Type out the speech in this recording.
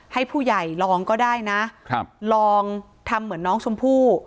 ให้ผู้ใหญ่ลองก็ได้นะครับลองทำเหมือนน้องชมพู่